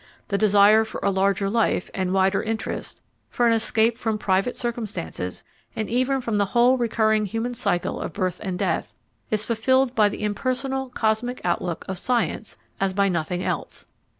The desire for a larger life and wider interests, for an escape from private circumstances, and even from the whole recurring human cycle of birth and death, is fulfilled by the impersonal cosmic outlook of science as by nothing else.